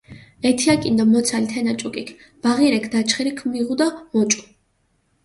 ეთიაკინ დო მოცალჷ თენა ჭუკიქ, ბაღირექ დაჩხირი ქჷმიღუ დო მოჭუ.